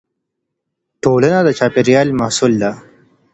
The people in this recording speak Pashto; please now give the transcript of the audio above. ټولنه د چاپېريال محصول ده.